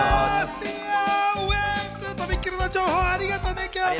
ウエンツ、とびっきりの情報、ありがとね！